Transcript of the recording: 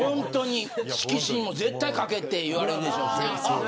色紙にも絶対書けって言われますしね。